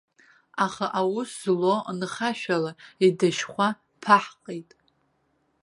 Аха аус злоу нхашәала идашьхәа ԥаҳҟеит.